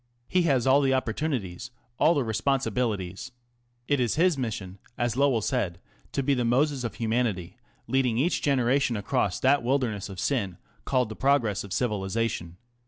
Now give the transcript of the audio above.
He has all the opportunities, all the responsibili ties. It is his mission, as Lowell said, to be the Moses of Humanity, lead , ing each genera tion across that wilderness of sin called the Pro gress of Civilisa tion."